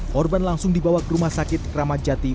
korban langsung dibawa ke rumah sakit ramadjati